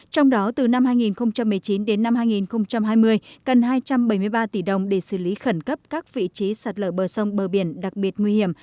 trong đó từ năm hai nghìn một mươi chín đến năm hai nghìn hai mươi cần hai trăm bảy mươi ba tỷ đồng để xử lý khẩn cấp các vị trí sạt lở bờ sông bờ biển đặc biệt nguy hiểm